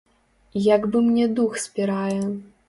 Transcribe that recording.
Як бы мне дух спірае.